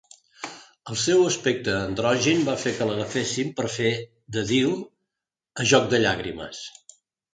El seu aspecte androgin va fer que l'agafessin per fer de Dil a "Joc de llàgrimes".